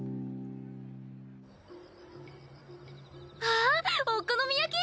あっお好み焼き！